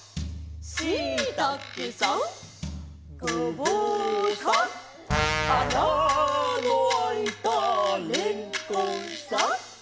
「しいたけさんごぼうさん」「あなのあいたれんこんさん」